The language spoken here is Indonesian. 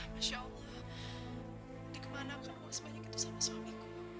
masya allah nanti kemana aku akan uang sebanyak itu sama suamiku